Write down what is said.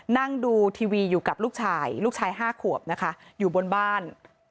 นั่งดูทีวีอยู่กับลูกชายลูกชาย๕ขวบนะคะอยู่บนบ้าน